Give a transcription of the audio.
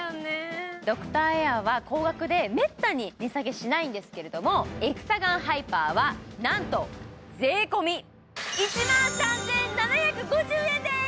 ドクターエアは高額で、めったに値下げしないんですけど、エクサガンハイパーは、なんと税込み１万３７５０円です！